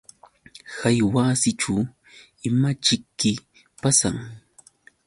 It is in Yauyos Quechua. Hay wasićhu ¿imaćhiki pasan?